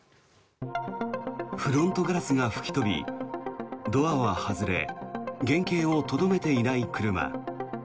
フロントガラスが吹き飛びドアは外れ原形をとどめていない車。